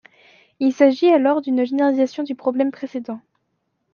Il s'agit alors d'une généralisation du problème précédent.